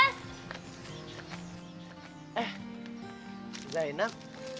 eh sudah enak